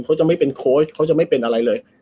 เขาจะไม่เป็นโค้ชเขาจะไม่เป็นอะไรเลย